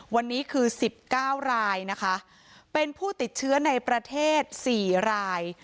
วันนี้คือ๑๙รายนะคะเป็นผู้ติดเชื้อในประเทศ๔ราย